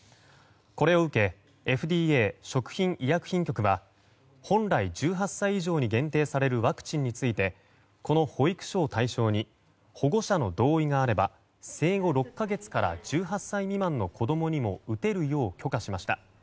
これを受けＦＤＡ・食品医薬品局は本来１８歳以上に限定されるワクチンについてこの保育所を対象に保護者の同意があれば生後６か月から１８歳未満の子供にも打てるよう許可しました。